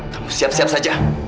kamu siap siap saja